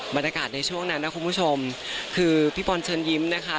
บรรยากาศในช่วงนั้นนะคุณผู้ชมคือพี่บอลเชิญยิ้มนะคะ